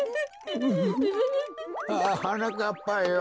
ああはなかっぱよ。